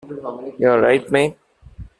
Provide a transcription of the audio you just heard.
You alright mate?